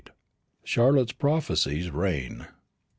CHARLOTTE PROPHESIES RAIN.